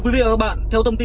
năm vé thì bớt tí